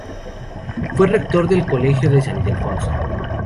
Fue rector del Colegio de San Ildefonso.